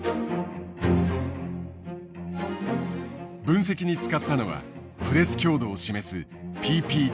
分析に使ったのはプレス強度を示すＰＰＤＡ。